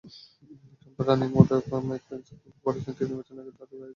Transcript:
ট্রাম্পের running mate Mike Pence বলেছেন, তিনি নির্বাচনের আগেই তাঁর আয়করের হিসাব প্রকাশ করবেন।